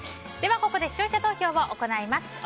ではここで視聴者投票を行います。